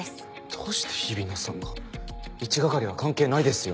どうして日比野さんが一係は関係ないですよね。